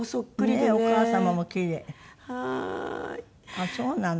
あっそうなの。